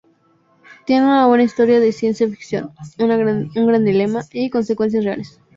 Tiene una buena historia de ciencia ficción, un gran dilema, y consecuencias reales".